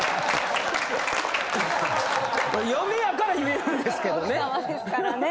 嫁やから言えるんですけどね。